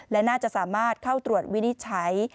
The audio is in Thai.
และน่าจะสามารถเข้าตรวจวินิจฉัย